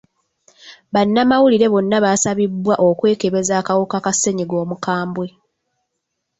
Bannamawulire bonna baasabibwa okwekebeza akawuka ka ssenyiga omukambwe.